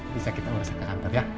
bisa kita merasa ke kantor ya